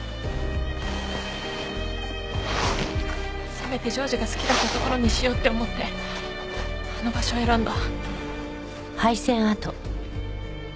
せめて譲士が好きだった所にしようって思ってあの場所を選んだ。